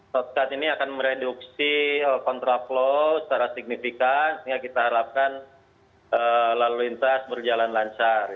shortcut ini akan mereduksi kontraflow secara signifikan sehingga kita harapkan lalu lintas berjalan lancar